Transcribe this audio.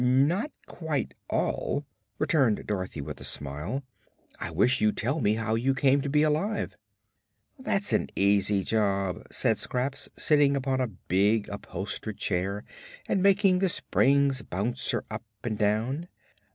"Not quite all," returned Dorothy with a smile. "I wish you'd tell me how you came to be alive." "That's an easy job," said Scraps, sitting upon a big upholstered chair and making the springs bounce her up and down.